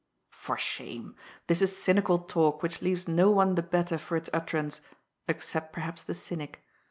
For shame ! this is cynical talk which leaves no one the better for its utterance— except, perhaps, the cynic.